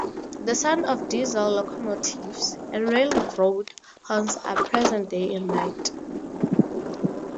The sound of diesel locomotives and railroad horns are present day and night.